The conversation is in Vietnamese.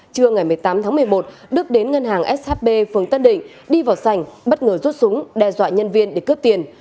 trưa ngày một mươi tám tháng một mươi một đức đến ngân hàng shb phường tân định đi vào sảnh bất ngờ rút súng đe dọa nhân viên để cướp tiền